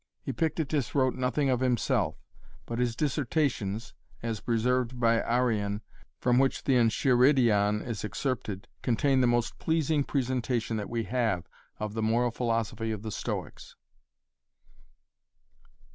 Epictetus wrote nothing himself, but his Dissertations, as preserved by Arrian, from which the Encheiridion is excerpted, contain the most pleasing presentation that we have of the moral philosophy of the Stoics.